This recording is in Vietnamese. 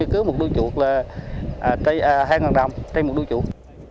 cứ một đôi chuột là hai ngàn đồng tây một đôi chuột